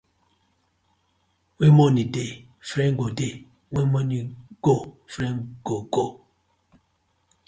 When money dey, friend go dey, when money go, friend go go.